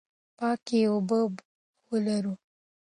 پاکې اوبه به ولرو.